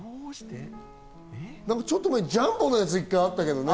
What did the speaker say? ちょっと前にジャンボのやつあったけどね。